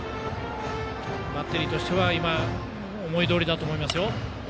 バッテリーとしては思いどおりだと思います。